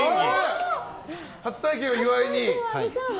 初体験を岩井に？